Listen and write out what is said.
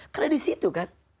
karena disitu kan